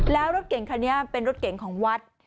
แล้วรถเก่งคันนี้เป็นรถเก่งของวัด